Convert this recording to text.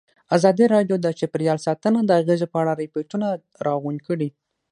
ازادي راډیو د چاپیریال ساتنه د اغېزو په اړه ریپوټونه راغونډ کړي.